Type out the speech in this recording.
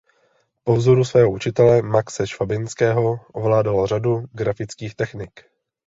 Po vzoru svého učitel Maxe Švabinského ovládal řadu grafických technik.